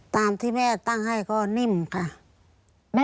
ตามที่แม่ตั้งให้ก็นิ่มค่ะ